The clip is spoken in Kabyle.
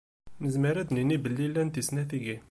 Nezmer ad d-nini belli llant i snat tigi.